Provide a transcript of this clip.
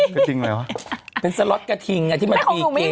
กระทิงอะไรอ่ะเป็นสล็อสกระทิงที่มันบีเกมอ่ะโอ๊ยพี่ดู